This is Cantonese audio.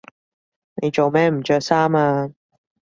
你做咩唔着衫呀？